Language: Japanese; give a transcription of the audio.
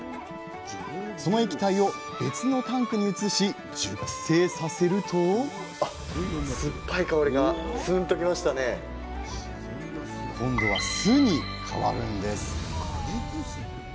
その液体を別のタンクに移し熟成させると今度は酢に変わるんです。